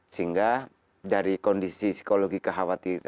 sehingga dari kondisi psikologi kekhawatiran